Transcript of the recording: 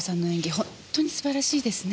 本当に素晴らしいですね。